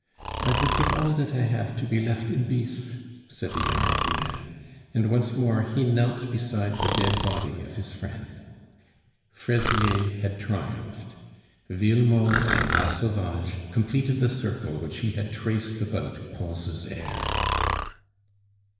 "I vould gif all dat I haf to be left in beace," said the unhappy man. And once more he knelt beside the dead body of his friend. Fraisier had triumphed. Villemot and La Sauvage completed the circle which he had traced about Pons' heir.